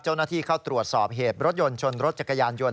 เจ้าหน้าที่เข้าตรวจสอบเหตุรถยนต์ชนรถจักรยานยนต